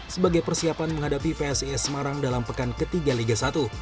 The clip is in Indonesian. sebagai persiapan menghadapi psis semarang dalam pekan ketiga liga satu